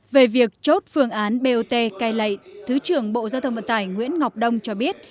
về việc chốt phương án bot cai lệ thứ trưởng bộ giao thông vận tải nguyễn ngọc đông cho biết